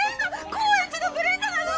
高円寺のブレンダなの？